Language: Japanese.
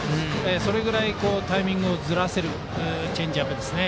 それぐらいタイミングをずらせるチェンジアップですね。